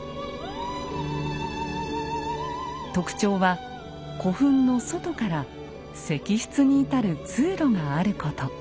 特徴は古墳の外から石室に至る通路があること。